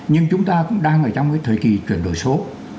nhưng chúng ta cũng đang ở trong cái thời kỳ chuyển đổi số